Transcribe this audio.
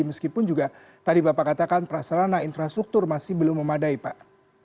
meskipun juga tadi bapak katakan prasarana infrastruktur masih belum memadai pak